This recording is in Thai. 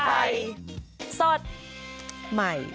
ข้าวใส่ไทย